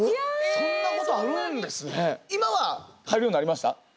そんなことあるんですね。